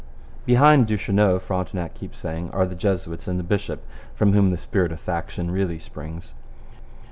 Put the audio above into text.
Behind Duchesneau, Frontenac keeps saying, are the Jesuits and the bishop, from whom the spirit of faction really springs.